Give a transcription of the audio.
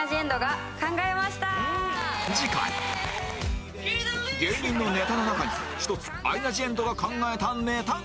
次回芸人のネタの中に１つアイナ・ジ・エンドが考えたネタが